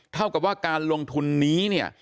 เท่ากับว่าการลงทุนนี้เนี่ย